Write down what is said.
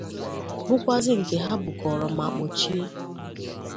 bụkwazị nke ha bukọọrọ ma kpọchie.